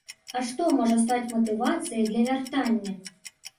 А што можа стаць матывацыяй для вяртання?